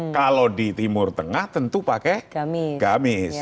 kalau di timur tengah tentu pakai gamis